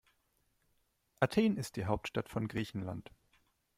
Athen ist die Hauptstadt von Griechenland.